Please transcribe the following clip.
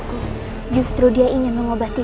kau tahu apa maksud makin banget aku